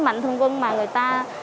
mạnh thường quân mà người ta